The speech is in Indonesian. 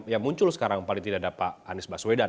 yang muncul sekarang paling tidak ada pak anies baswedan